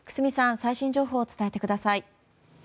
最新情報を伝えてください。